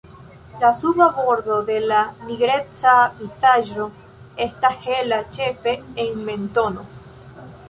La suba bordo de la nigreca vizaĝo estas hela ĉefe en mentono.